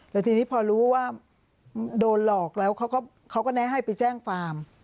แต่ทีนี้พอรู้ว่าโดนหลอกแล้วเขาก็แนะให้ไปแจ้งความ